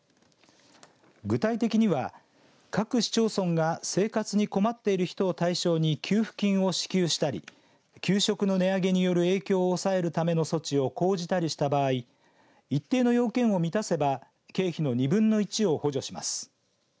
具体的には各市町村が生活に困っている人を対象に給付金を支給したり給食の値上げによる影響を抑えるための措置を講じたりした場合一定の要件を満たせば経費の２分の１を補助します。